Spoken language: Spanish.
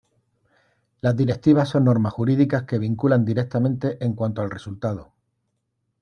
Las directivas son normas jurídicas que vinculan directamente en cuanto al resultado.